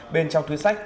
bên trong túi sách